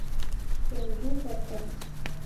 Пелйӱд эртен.